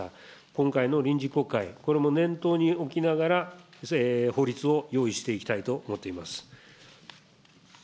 今回の臨時国会、これも念頭に置きながら、法律を用意していきたいと思っています。